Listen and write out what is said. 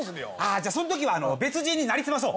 じゃあそのときは別人になりすまそう。